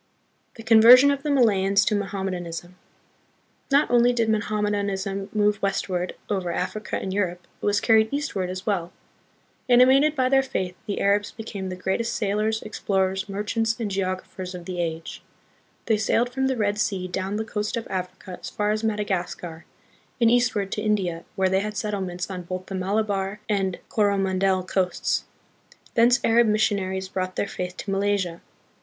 The Conversion of the Malayans to Mohammed anism. Not only did Mohammedanism move west ward over Africa and Europe, it was carried eastward as well. Animated by their faith, the Arabs became the greatest sailors, explorers, merchants, and geographers of the age. They sailed from the Red Sea down the coast of Africa as far as Madagascar, and eastward to India, where they had settlements on both the Malabar and Coro mandel coasts. Thence Arab missionaries brought their faith to Malaysia.